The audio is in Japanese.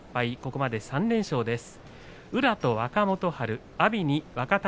ここまで３連勝です。